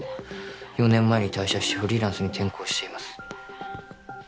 ４年前に退社してフリーランスに転向しています